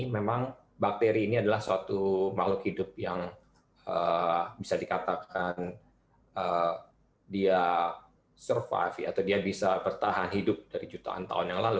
memang bakteri ini adalah suatu makhluk hidup yang bisa dikatakan dia survive atau dia bisa bertahan hidup dari jutaan tahun yang lalu